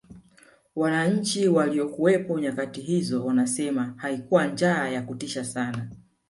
wananchi waliyowepo nyakati hizo wanasema haikuwa njaa ya kutisha sana